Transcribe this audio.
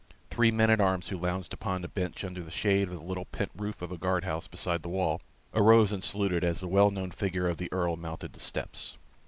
Three men at arms who lounged upon a bench under the shade of the little pent roof of a guard house beside the wall, arose and saluted as the well known figure of the Earl mounted the steps.